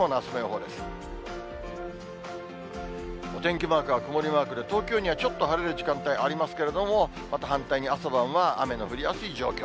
お天気マークは曇りマークで、東京にはちょっと晴れる時間帯ありますけれども、また反対に朝晩は雨の降りやすい状況。